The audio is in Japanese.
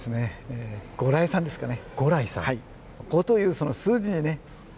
五来さんですかね。